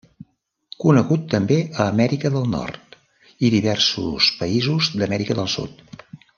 Conegut també a Amèrica del Nord i diversos països d'Amèrica del Sud.